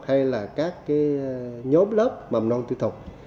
hay các nhóm lớp mầm non tư thuộc